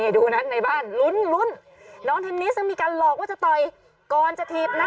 ดูนะในบ้านลุ้นน้องเทนนิสซึ่งมีการหลอกว่าจะต่อยก่อนจะถีบนะ